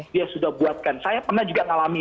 dia sudah buatkan saya pernah juga ngalami